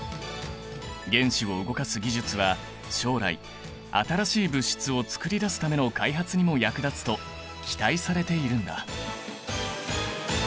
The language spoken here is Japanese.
原子を動かす技術は将来新しい物質を作り出すための開発にも役立つと期待されているんだ。